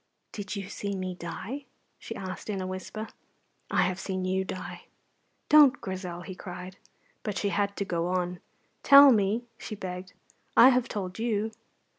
"Did you see me die?" she asked, in a whisper. "I have seen you die." "Don't, Grizel!" he cried. But she had to go on. "Tell me," she begged; "I have told you."